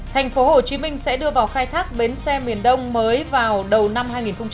thành phố hồ chí minh sẽ đưa vào khai thác bến xe miền đông mới vào đầu năm hai nghìn hai mươi